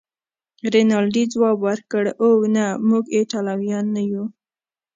رینالډي ځواب ورکړ: اوه، نه، موږ ایټالویان نه یو.